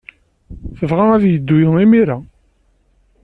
Tebɣa ad yeddu imir-a.